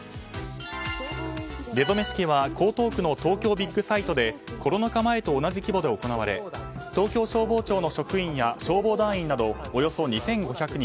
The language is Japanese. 出初め式は江東区の東京ビックサイトでコロナ禍前と同じ規模で行われ東京消防庁の職員や消防団員などおよそ２５００人。